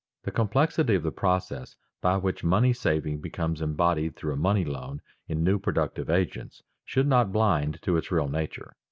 The complexity of the process by which money saving becomes embodied through a money loan in new productive agents should not blind to its real nature.